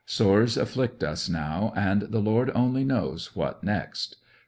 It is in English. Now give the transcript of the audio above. Sores afiSict us now, and the Lord only knows what next.